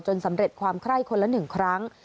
สำเร็จความไคร้คนละ๑ครั้ง